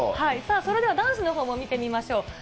さあそれでは男子のほうも見てみましょう。